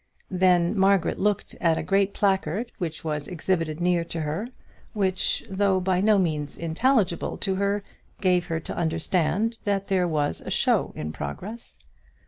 Then Margaret looked at a great placard which was exhibited near to her, which, though by no means intelligible to her, gave her to understand that there was a show in progress.